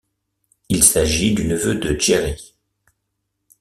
Il s'agit du neveu de Jerry.